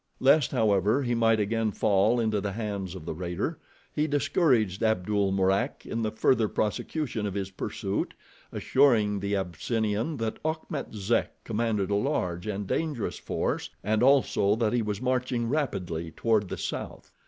Lest, however, he might again fall into the hands of the raider, he discouraged Abdul Mourak in the further prosecution of his pursuit, assuring the Abyssinian that Achmet Zek commanded a large and dangerous force, and also that he was marching rapidly toward the south.